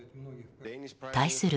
対する